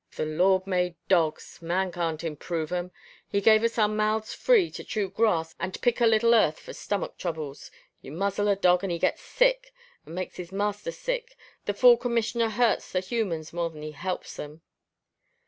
"The Lord made dogs Man can't improve 'em. He gave us our mouths free to chew grass and pick a little earth for stomach troubles. You muzzle a dog, and he gets sick and makes his master sick. The fool commissioner hurts the humans more than he helps them."